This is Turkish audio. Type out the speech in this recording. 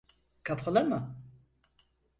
Kapalı mı?